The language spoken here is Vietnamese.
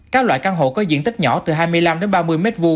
các loại căn hộ có diện tích nhỏ từ hai mươi năm đến ba mươi m hai